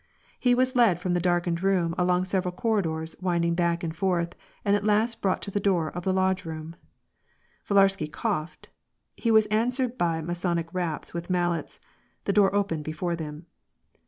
He was led from the darkened room along several corridors winding back and forth, and at last brought to the door of the lodge room. Villarsky coughed ; he was answered by Masonic raps with mallets ; the door opened before them.